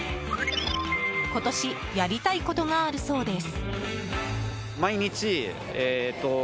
今年やりたいことがあるそうです。